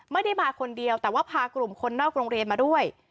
ไม่ได้มาคนเดียวแต่ว่าพากลุ่มคนนอกโรงเรียนมาด้วย